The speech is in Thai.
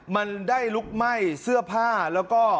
มันได้ลุกไหม้เสื้อผ้าแล้วก็